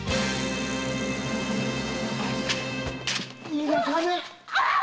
逃がさねえっ！